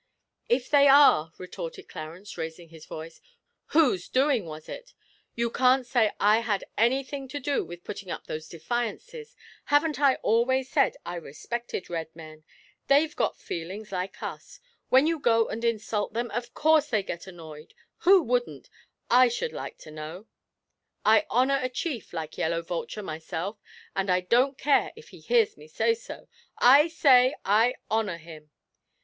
'If they are,' retorted Clarence, raising his voice, 'whose doing was it? You can't say I had anything to do with putting up those defiances! Haven't I always said I respected Red men? They've got feelings like us. When you go and insult them, of course they get annoyed who wouldn't, I should like to know? I honour a chief like Yellow Vulture myself, and I don't care if he hears me say so. I say I honour him!'